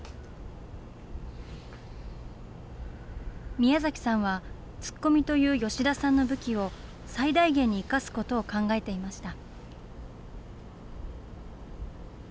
宮崎さんは、ツッコミという吉田さんの武器を最大限に生かすことを考えていました。